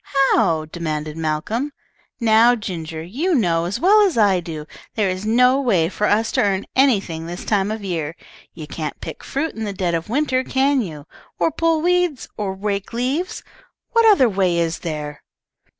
"How?" demanded Malcolm. "Now, Ginger, you know, as well as I do, there is no way for us to earn anything this time of year. You can't pick fruit in the dead of winter, can you? or pull weeds, or rake leaves? What other way is there?"